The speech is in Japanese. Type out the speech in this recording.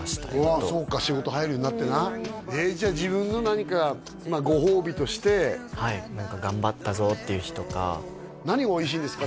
やっとそうか仕事入るようになってなじゃあ自分の何かご褒美としてはい何か頑張ったぞっていう日とか何がおいしいんですか？